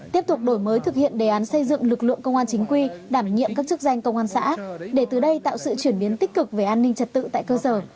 tiếp tục đổi mới thực hiện đề án xây dựng lực lượng công an chính quy đảm nhiệm các chức danh công an xã để từ đây tạo sự chuyển biến tích cực về an ninh trật tự tại cơ sở